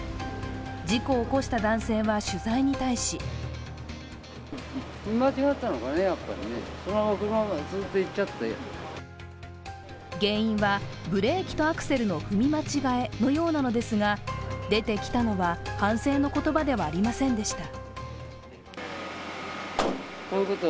事故を起こした男性は取材に対し原因はブレーキとアクセルの踏み間違えのようなのですが出てきたのは反省の言葉ではありませんでした。